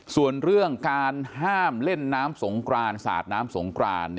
ส่วนเรื่องการห้ามเล่นน้ำสงกรานสาดน้ำสงกราน